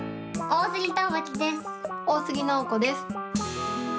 大杉奈保子です。